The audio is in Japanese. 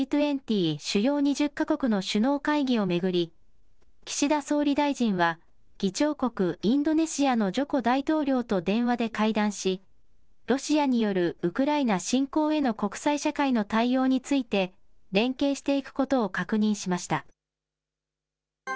主要２０か国の首脳会議を巡り、岸田総理大臣は議長国、インドネシアのジョコ大統領と電話で会談し、ロシアによるウクライナ侵攻への国際社会の対応について連携していくことを確認しました。